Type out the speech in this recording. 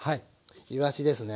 いわしですね。